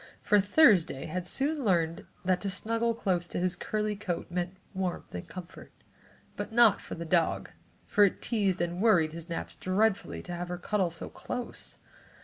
For Thursday had soon learned that to snuggle close to his curly coat meant warmth and comfort, but not for the dog, for it teased and worried his naps dreadfully to have her cuddle so close.